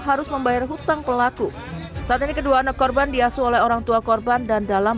harus membayar hutang pelaku saat ini kedua anak korban diasuh oleh orang tua korban dan dalam